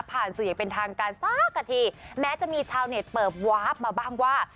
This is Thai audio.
สื่ออย่างเป็นทางการสักกะทีแม้จะมีชาวเน็ตเปิดวาร์ฟมาบ้างว่า